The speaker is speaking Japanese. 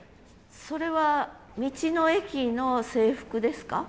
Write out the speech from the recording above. それは道の駅の制服ですか？